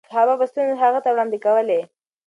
صحابه به ستونزې هغې ته وړاندې کولې.